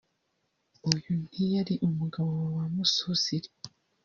uyu ntiyari umugabo wa Bamususire